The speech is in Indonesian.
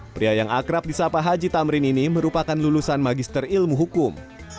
pria yang akrab di sapa haji tamrin ini merupakan lulusan magister ilmu hukum